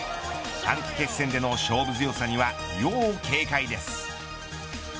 短期決戦での勝負強さには要警戒です。